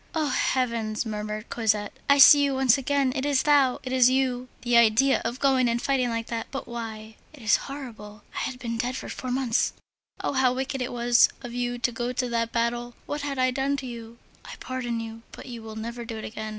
"Oh, heavens!" murmured Cosette, "I see you once again! it is thou! it is you! The idea of going and fighting like that! But why? It is horrible. I have been dead for four months. Oh! how wicked it was of you to go to that battle! What had I done to you? I pardon you, but you will never do it again.